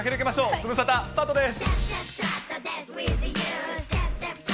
ズムサタ、スタートです。